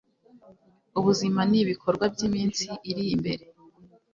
Ubuzima nibikorwa byiminsi iri imbere